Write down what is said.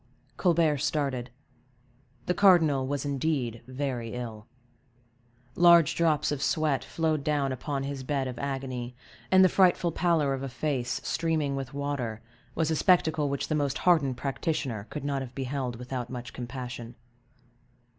Colbert started. The cardinal was indeed very ill; large drops of sweat flowed down upon his bed of agony, and the frightful pallor of a face streaming with water was a spectacle which the most hardened practitioner could not have beheld without much compassion.